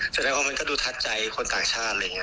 แสดงว่ามันก็ดูทัดใจคนต่างชาติอะไรอย่างนี้